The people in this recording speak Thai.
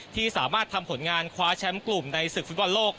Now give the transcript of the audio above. ที่สามารถทำผลงานคว้าแชมป์กลุ่มในศึกฟุตบอลโลก